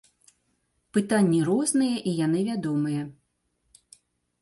Пытанні розныя і яны вядомыя.